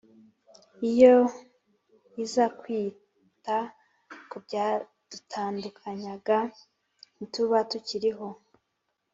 Iyo iza kwita kubyadutandukanyaga ntituba tukiriho